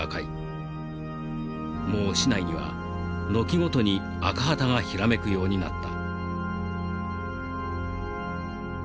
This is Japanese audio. もう市内には軒ごとに赤旗がひらめくようになった」。